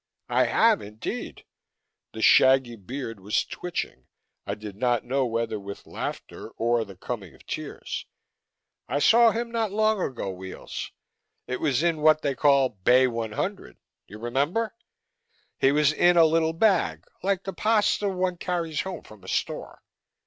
"I have, indeed." The shaggy beard was twitching I did not know whether with laughter or the coming of tears. "I saw him not long ago, Weels. It was in what they call Bay 100 you remember? He was in a little bag like the pasta one carries home from a store.